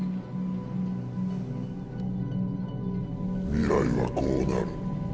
未来はこうなる。